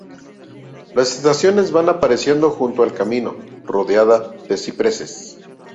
Las estaciones van apareciendo junto al camino, rodeadas de cipreses.